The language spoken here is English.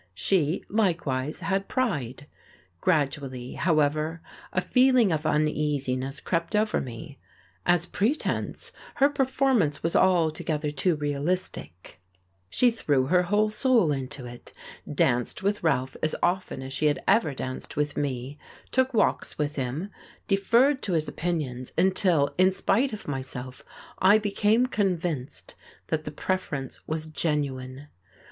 She, likewise, had pride. Gradually, however, a feeling of uneasiness crept over me: as pretence, her performance was altogether too realistic; she threw her whole soul into it, danced with Ralph as often as she had ever danced with me, took walks with him, deferred to his opinions until, in spite of myself, I became convinced that the preference was genuine.